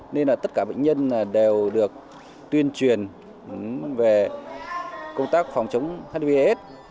nên là tất cả bệnh nhân đều được tuyên truyền về công tác phòng chống hiv aids